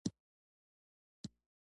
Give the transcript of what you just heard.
هېواد ته زده کړه ضروري ده